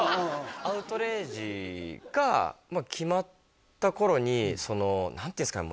「アウトレイジ」が決まった頃に何ていうんですかね